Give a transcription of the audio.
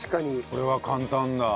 これは簡単だ。